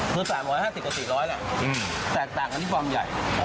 คือ๓๕๐กว่า๔๐๐บาทแหละแตกต่างกันที่ความใหญ่